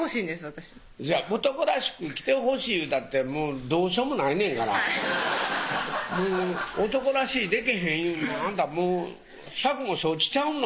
私も「男らしく来てほしい」言うたってもうどうしようもないねんからはいもう男らしいでけへんいうのはあんた百も承知ちゃうの？